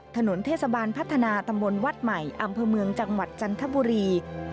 ถนนเทศบาลพัฒนาตำบลวัดใหม่อำเภอเมืองจังหวัดจันทบุรี